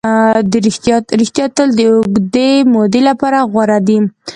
ریښتیا تل د اوږدې مودې لپاره غوره ده.